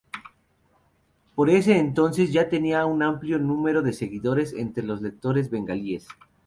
Por ese entonces, ya tenía un amplio número de seguidores entre los lectores bengalíes.